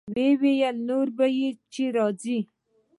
ويې ويل نور به چې راځې.